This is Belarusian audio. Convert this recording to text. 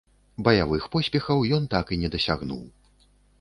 Баявых поспехаў ён так і не дасягнуў.